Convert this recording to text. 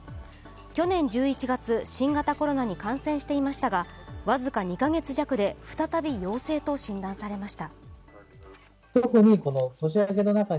去年１１月、新型コロナに感染していましたが僅か２カ月弱で再び陽性と診断されました。